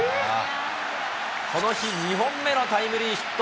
この日２本目のタイムリーヒット。